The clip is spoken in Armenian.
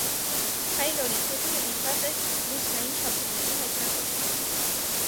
Թայլորի թեզը նվիրված էր լուսնային չափումների հայտնագործմանը։